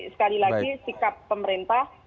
sekali lagi sikap pemerintah